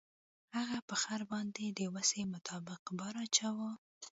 هغه په خر باندې د وسې مطابق بار اچاوه.